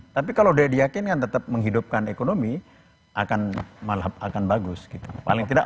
etik allah dia diak cenang tetap menghidupkan ekonomi akan malah akan bagus gitu paling tidak